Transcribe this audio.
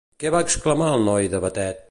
Què va exclamar el noi de Batet?